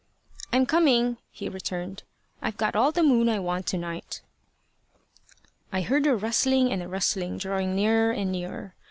"I'm coming," he returned. "I've got all the moon I want to night." I heard a rustling and a rustling drawing nearer and nearer.